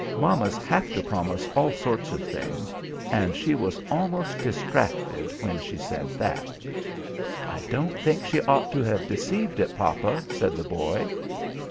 Mammas have to promise all sorts of things, and she was almost distracted when she said that." "I don't think she ought to have deceived it, papa," said the boy.